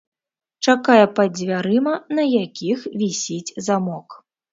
Чакае пад дзвярыма, на якіх вісіць замок.